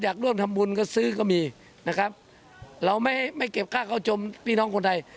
อยากร่วมทำบุญก็ซื้อก็มีนะครับเราไม่ให้ไม่เก็บค่าเข้าชมพี่น้องคนไทย